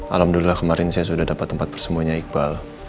alhamdulillah kemarin saya sudah dapat tempat semuanya iqbal